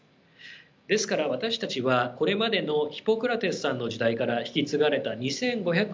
ですから私たちはこれまでのヒポクラテスさんの時代から引き継がれた２，５００年の医療